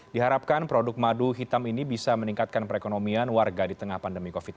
diharapkan produk madu hitam ini bisa meningkatkan perekonomian warga di tengah pandemi covid sembilan belas